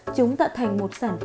chúng tạo thành một sản phẩm đẹp